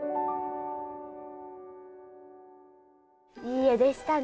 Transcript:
いい画でしたね。